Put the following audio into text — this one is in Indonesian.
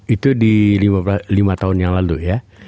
itu di lima tahun yang lalu ya